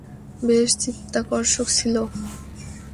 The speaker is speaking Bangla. বেশ চিত্তাকর্ষক ছিল!